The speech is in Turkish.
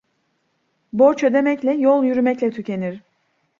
Borç ödemekle, yol yürümekle tükenir.